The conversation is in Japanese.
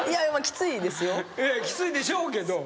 きついでしょうけど。